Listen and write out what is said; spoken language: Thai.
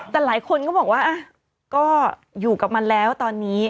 แต่หลายคนก็บอกว่าก็อยู่กับมันแล้วตอนนี้